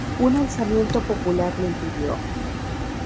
Un alzamiento popular lo impidió.